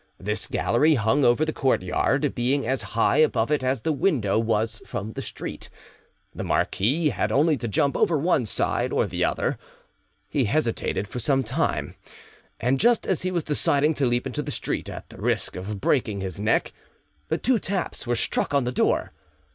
This gallery hung over the courtyard, being as high above it as the window was from the street. The marquis had only to jump over one side or the other: he hesitated for some time, and just as he was deciding to leap into the street, at the risk of breaking his neck, two taps were struck on the door.